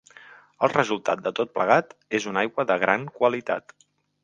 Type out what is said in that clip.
El resultat de tot plegat és una aigua de gran qualitat.